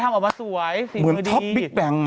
อ๋อทำออกมาสวยฝีมือดีเหมือนท็อปบิ๊กแปลงไง